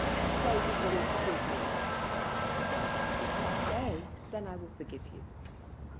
Say that you will forgive me." "Say that it is not so, and then I will forgive you."